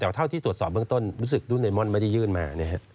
เท่าที่ตรวจสอบเบื้องต้นรู้สึกรุ่นไอมอนไม่ได้ยื่นมา